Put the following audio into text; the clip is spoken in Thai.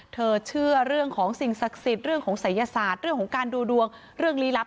เชื่อเรื่องของสิ่งศักดิ์สิทธิ์เรื่องของศัยศาสตร์เรื่องของการดูดวงเรื่องลี้ลับ